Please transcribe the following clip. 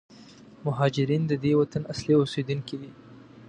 مهارجرین د دې وطن اصلي اوسېدونکي دي.